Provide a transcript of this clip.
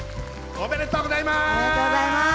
ありがとうございます。